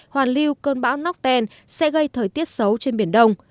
hoàn lưu cơn bão nócen sẽ gây thời tiết xấu trên biển đông